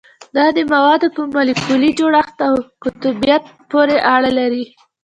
دا د موادو په مالیکولي جوړښت او قطبیت پورې اړه لري